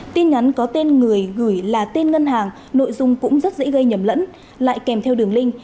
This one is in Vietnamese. tin nhắn có tên người gửi là tên ngân hàng nội dung cũng rất dễ gây nhầm lẫn lại kèm theo đường link